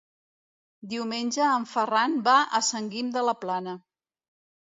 Diumenge en Ferran va a Sant Guim de la Plana.